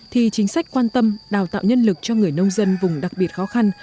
thì chính sách quan tâm đào tạo nhân lực cho người nông dân vùng đặc biệt khó khăn